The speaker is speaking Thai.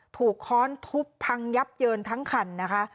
ค้อนทุบพังยับเยินทั้งคันนะคะ